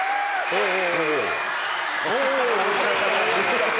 おお！